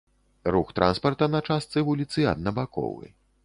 Рух транспарта на частцы вуліцы аднабаковы.